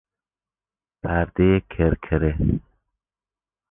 پردهی کرکره